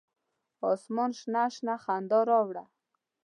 اسمان شنه، شنه خندا راوړه